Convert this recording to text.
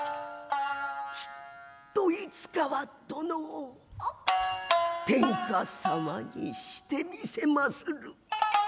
きっと何時かは殿を天下様にして見せまする。